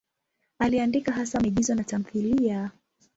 Aliandika hasa maigizo na tamthiliya.